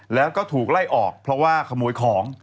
แล้วก็ถูกไล่ออกเพราะว่าขโมยของ